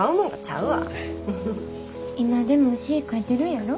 今でも詩ぃ書いてるんやろ？